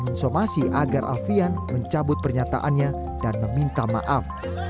mensomasi agar alfian mencabut pernyataannya dan meminta maaf